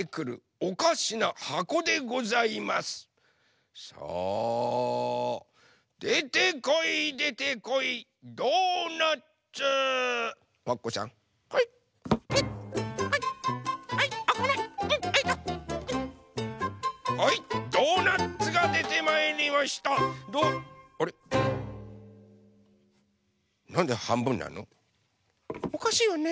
おかしいわね。